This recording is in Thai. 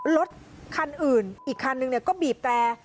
รถคันอื่นอีกคันนึงก็บีบแต่